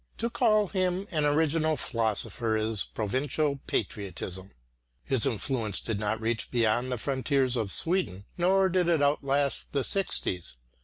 To call him an original philosopher is provincial patriotism. His influence did not reach beyond the frontiers of Sweden, nor did it outlast the sixties.